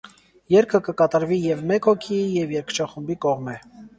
Երգը կը կատարուի ե՛ւ մէկ հոգիի, ե՛ւ երգչախումբի կողմէ։